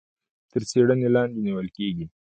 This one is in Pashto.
تر څيړنې لاندي نيول کېږي.